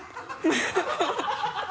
ハハハ